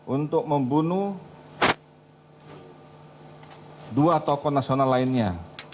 untuk membunuh dua tokoh nasional lainnya